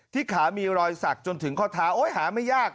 ขามีรอยสักจนถึงข้อเท้าหาไม่ยาก